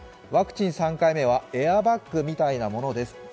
ワクチン３回目はエアバッグみたいなものです。